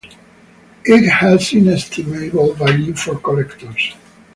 It has inestimable value for collectors.